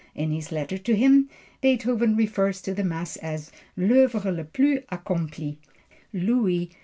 In his letter to him, Beethoven refers to the Mass as "L'oeuvre le plus accompli."